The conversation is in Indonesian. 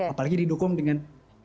apalagi didukung dengan